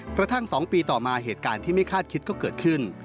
กระทั่ง๒ปีต่อมาเหตุการณ์ที่ไม่คาดคิดก็เกิดขึ้น